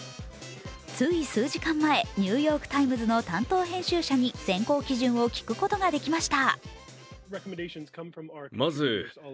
つい数時間前、「ニューヨーク・タイムズ」の担当編集者に選考基準を聞くことができました。